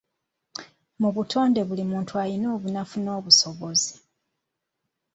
Mu buttonde buli muntu alina obunafu n’obusobozi.